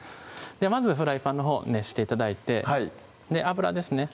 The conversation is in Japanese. まずフライパンのほう熱して頂いて油ですね